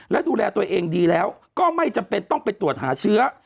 และดูแลตัวเองดีแล้วก็ไม่จำเป็นต้องไปตรวจหาเชื้อ